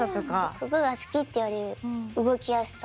服が好きっていうより動きやすさ。